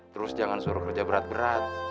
terus jangan suruh kerja berat berat